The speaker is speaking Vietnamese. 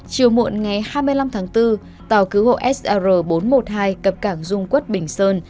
chiều muộn ngày hai mươi năm tháng bốn tàu cứu hộ sr bốn trăm một mươi hai cập cảng dung quốc bình sơn